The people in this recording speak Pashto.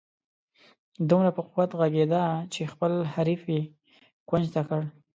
دومره په قوت ږغېده چې خپل حریف یې کونج ته کړ.